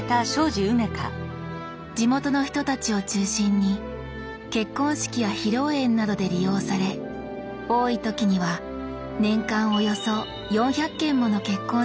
地元の人たちを中心に結婚式や披露宴などで利用され多い時には年間およそ４００件もの結婚式が開かれました。